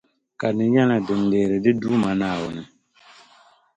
Ka di nyɛla din lihiri di Duuma Naawuni.